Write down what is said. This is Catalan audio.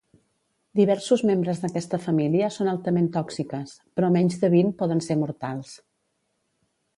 Diversos membres d'aquesta família són altament tòxiques, però menys de vint poden ser mortals.